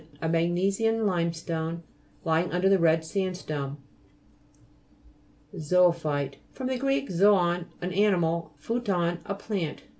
A magnesian limestone, lying under the red standstone. ZO'OPHTTE fr. gr. zoon, an animal, phuton, plant.